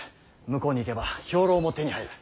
向こうに行けば兵糧も手に入る。